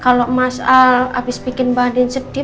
kalau mas al abis bikin mbak andien sedih